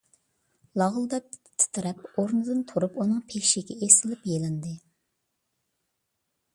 لاغىلداپ تىترەپ، ئورنىدىن تۇرۇپ ئۇنىڭ پېشىگە ئېسىلىپ يېلىندى.